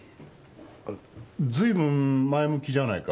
あ随分前向きじゃないか。